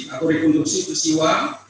atau rekonstruksi persiwa